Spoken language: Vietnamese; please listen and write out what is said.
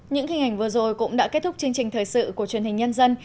những hình ảnh vừa rồi cũng đã kết thúc chương trình thời sự của truyền hình nhân dân